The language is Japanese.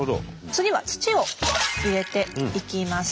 次は土を入れていきます。